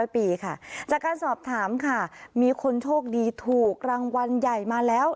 จากการสอบถามค่ะมีคนโชคดีถูกรางวัลใหญ่มาแล้ว